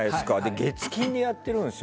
月金でやってるんですよ。